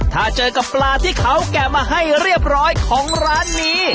ถ้าเจอกับปลาที่เขาแกะมาให้เรียบร้อยของร้านนี้